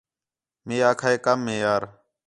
مے آکھا ہے کَم ہے یار